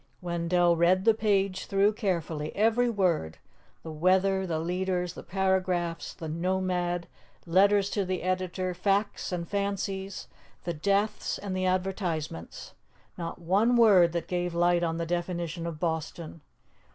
Wendell read the page through carefully, every word, the weather, the leaders, the paragraphs, the Nomad, Letters to the Editor, Facts and Fancies, the deaths, and the advertisements. Not one word that gave light on the definition of Boston.